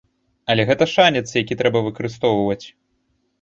Але гэта шанец, які трэба выкарыстоўваць.